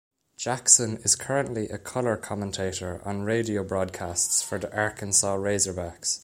Jackson is currently a color commentator on radio broadcasts for the Arkansas Razorbacks.